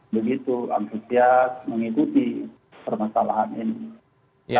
begitu antusias mengikuti permasalahan ini